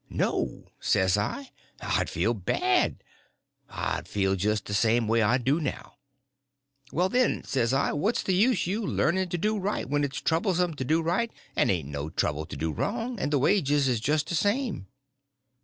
No, says I, I'd feel bad—I'd feel just the same way I do now. Well, then, says I, what's the use you learning to do right when it's troublesome to do right and ain't no trouble to do wrong, and the wages is just the same?